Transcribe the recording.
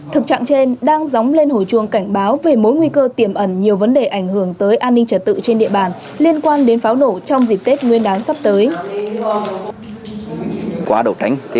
thực trạng trên đang dóng lên hồi chuông cảnh báo về mối nguy cơ tiềm ẩn nhiều vấn đề ảnh hưởng tới an ninh trật tự trên địa bàn liên quan đến pháo nổ trong dịp tết nguyên đán sắp tới